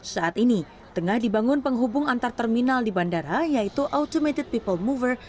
saat ini tengah dibangun penghubung antar terminal di bandara yaitu automated people mover